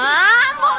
もう！